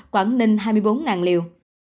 quảng ninh hai mươi bốn liều